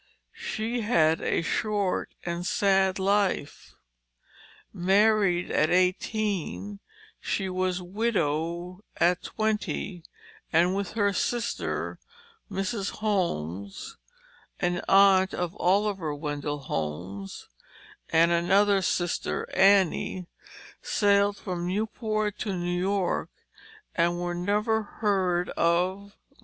She had a short and sad life. Married at eighteen she was a widow at twenty, and with her sister, Mrs. Holmes (an aunt of Oliver Wendell Holmes), and another sister, Anne, sailed from Newport to New York, "and were never heard of more."